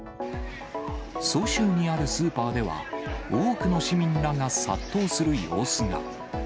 蘇州にあるスーパーでは、多くの市民らが殺到する様子が。